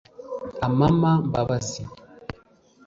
Amama Mbabazi